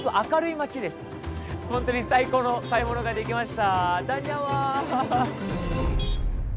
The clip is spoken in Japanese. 本当に最高の買い物ができました。